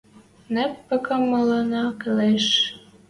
— Нэп пока мӓлӓннӓ келеш.